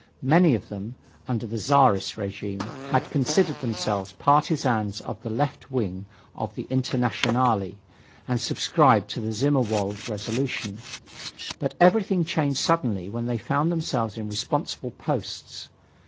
Many of them, under the Czarist regime, had considered themselves partisans of the left wing of the Internationale, and subscribed to the Zimmerwald resolution. But everything changed suddenly when they found themselves in responsible "posts."